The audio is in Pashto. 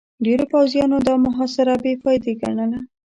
ډېرو پوځيانو دا محاصره بې فايدې ګڼله.